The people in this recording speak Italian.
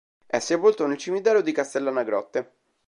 È sepolto nel cimitero di Castellana Grotte.